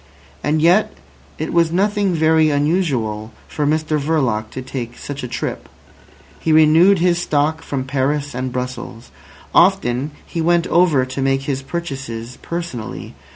And yet it was nothing very unusual for Mr Verloc to take such a trip. He renewed his stock from Paris and Brussels. Often he went over to make his purchases personally.